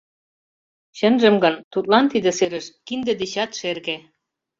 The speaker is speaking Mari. Чынжым гын, тудлан тиде серыш — кинде дечат шерге.